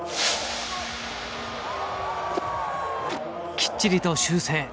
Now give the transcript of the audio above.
きっちりと修正